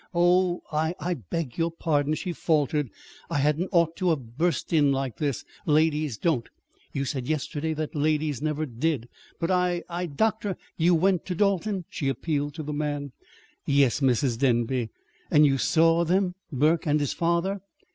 "Oh, I I beg your pardon," she faltered. "I hadn't ought to have burst in like this. Ladies don't. You said yesterday that ladies never did. But I I doctor, you went to to Dalton?" she appealed to the man. "Yes, Mrs. Denby." "And you saw them? Burke and his father?"